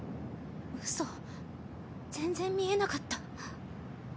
うそ全然見えなかった。